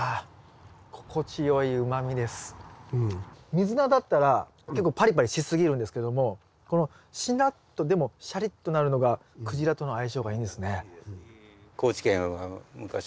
ミズナだったら結構パリパリしすぎるんですけどもこのしなっとでもシャリっとなるのがクジラとの相性がいいんですね。